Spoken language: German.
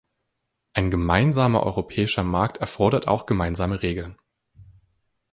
Ein gemeinsamer europäischer Markt erfordert auch gemeinsame Regeln.